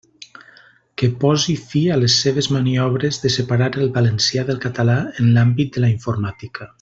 Que posi fi a les seves maniobres de separar el valencià del català en l'àmbit de la informàtica.